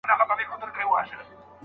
آیا مساوات تر توپیرپالنې عادلانه دی؟